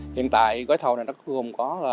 hiện tại gói thầu này nó gồm có